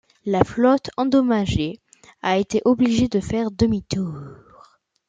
La flotte endommagée a été obligée de faire demi-tour.